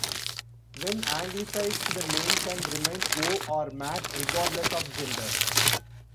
When anglicised, the name can remain O' or Mac, regardless of gender.